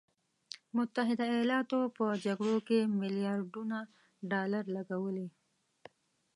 متحده ایالاتو په جګړو کې میلیارډونه ډالر لګولي.